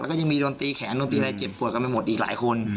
แล้วก็ยังมีโดนตีแขนโดนตีอะไรเจ็บปวดกันไปหมดอีกหลายคน